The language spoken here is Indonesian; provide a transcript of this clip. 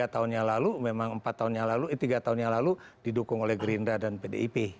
tiga tahun yang lalu memang empat tahun yang lalu eh tiga tahun yang lalu didukung oleh gerindra dan pdip